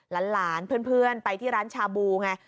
หลานเพื่อนไปที่ร้านชาบูไง